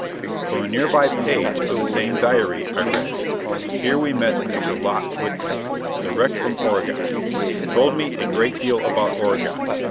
From a nearby page of the same diary, I read: "Here we met Mr. Lot Whitcom, direct from Oregon. Told me a great deal about Oregon.